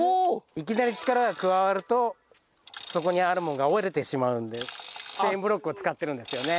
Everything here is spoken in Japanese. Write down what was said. いきなり力が加わるとそこにあるものが折れてしまうのでチェーンブロックを使ってるんですよね。